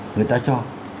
người ta cho